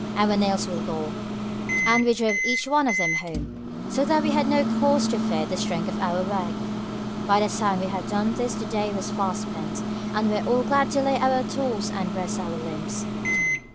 Our nails were long, and we drove each one of them home, so that we had no cause to fear the strength of our work. By the time we had done this the day was far spent, and we were all glad to lay by our tools and rest our limbs.